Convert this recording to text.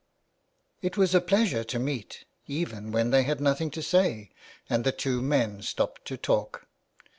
It was a pleasure to meet, even when they had nothing to say, and the two men stopped to talk.